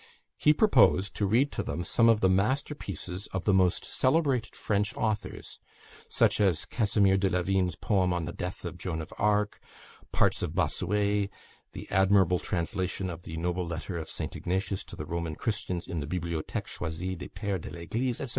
He proposed to read to them some of the master pieces of the most celebrated French authors (such as Casimir de la Vigne's poem on the "Death of Joan of Arc," parts of Bossuet, the admirable translation of the noble letter of St. Ignatius to the Roman Christians in the "Bibliotheque Choisie des Peres de l'Eglise," &c.)